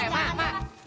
eh mak mak